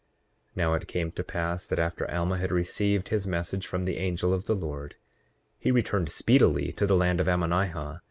8:18 Now it came to pass that after Alma had received his message from the angel of the Lord he returned speedily to the land of Ammonihah.